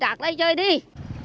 thì bắt bệnh thì phải bắt bệnh